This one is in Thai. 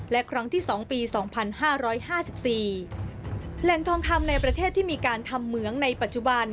และครั้งที่สองปีสองพันห้าร้อยห้าสิบสี่แหล่งทองคำในประเทศที่มีการทำเหมืองในปัจจุบัน